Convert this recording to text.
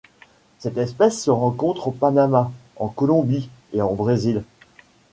Cette espèce se rencontre au Panama, en Colombie et au Brésil.